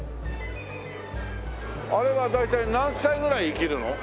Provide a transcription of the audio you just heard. あれは大体何歳ぐらい生きるの？